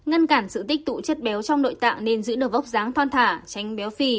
ngăn cản sự tích tụ chất béo trong nội tạng nên giữ được vóc dáng thoan thả tránh béo phì